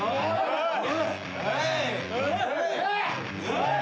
おい！